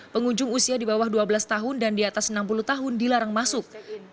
pengunjung usia di bawah dua belas tahun dan di atas enam puluh tahun dilarang masuk